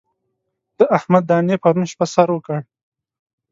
د احمد دانې پرون شپه سر وکړ.